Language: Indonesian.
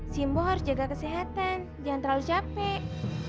simbo harus jaga kesehatan jangan terlalu capek